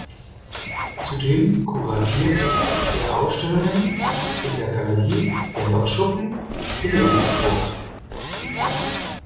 Zudem kuratiert er Ausstellungen in der Galerie ‚Der Lokschuppen‘ in Rendsburg.